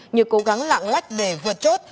như cố gắng lạng lách để vượt chốt